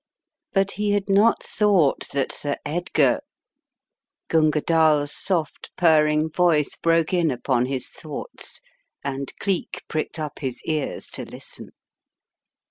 But he had not thought that Sir Edgar Gunga Dall's soft, purring voice broke in upon his thoughts, and Cleek pricked up his ears to listen.